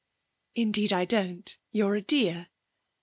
'Indeed I don't; you're a dear.'